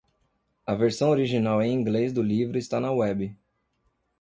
A versão original em inglês do livro está na web.